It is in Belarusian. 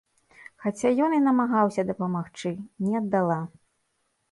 Хаця ён і намагаўся дапамагчы, не аддала.